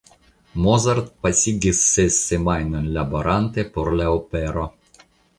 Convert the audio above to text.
Mozart pasigis ses semajnojn laborante por la opero.